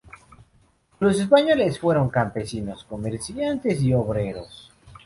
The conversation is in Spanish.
Los españoles fueron campesinos, comerciantes y obreros.